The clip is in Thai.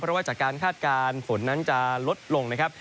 เพราะว่าจากการคาดการณ์ฝนนั้นจะลดลงนะครับ